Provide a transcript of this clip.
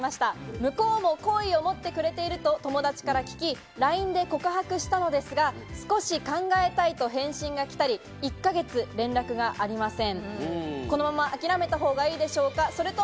向こうも好意を持ってくれていると友達から聞き、ＬＩＮＥで告白したのですが、少し考えたいと返信が来たっきり１か月連絡がありません。